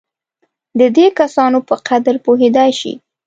د دې کسانو په قدر پوهېدای شي.